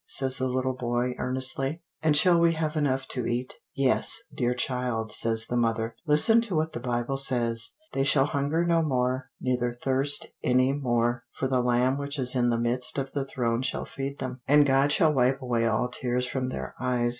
says the little boy, earnestly; "and shall we have enough to eat?" "Yes, dear child," says the mother; "listen to what the Bible says: 'They shall hunger no more, neither thirst any more; for the Lamb which is in the midst of the throne shall feed them; and God shall wipe away all tears from their eyes.'"